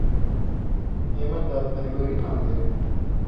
ئێمە دادپەروەریمان دەوێت.